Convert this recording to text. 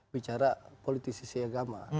bicara politisisi agama